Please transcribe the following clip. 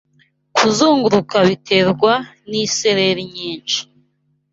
Kuzunguruka biterwa nisereri nyinshi